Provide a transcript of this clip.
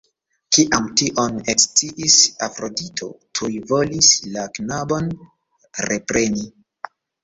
Kiam tion eksciis Afrodito, tuj volis la knabon repreni.